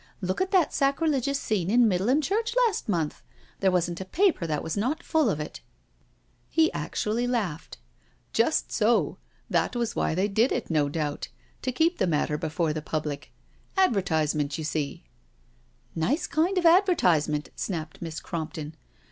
Look at that sacrilegious scene in Middleham Churchyard last month I There wasn't a paper that was not full of it." 228 NO SURRENDER He actually laughed :" Just so — that was why they did it» no doubt—to keep, the matter before the public. Advertisement, you seel" " Nice kind of advertisement," snapped Miss Cromp ton.